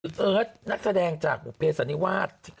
เอิร์ทนักแสดงจากบุภเสันนิวาส